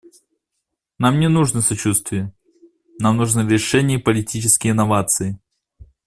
Нам не нужно сочувствие; нам нужны решения и политические новации.